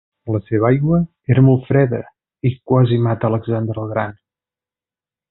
La seva aigua era molt freda i quasi mata a Alexandre el gran.